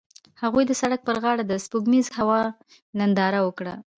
هغوی د سړک پر غاړه د سپوږمیز هوا ننداره وکړه.